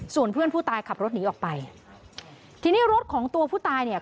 ส่วนเพื่อนผู้ตายขับรถหนีออกไปทีนี้รถของตัวผู้ตายเนี่ย